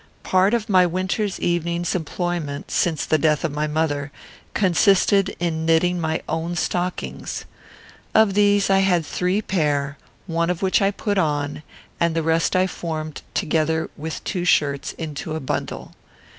Part of my winter evenings' employment, since the death of my mother, consisted in knitting my own stockings. Of these I had three pair, one of which I put on, and the rest I formed, together with two shirts, into a bundle.